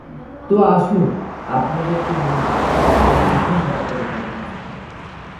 তো আসুন আপনাদেরকে নিয়ে যাই সেই প্রথম রাতের ঘটনাস্থলে।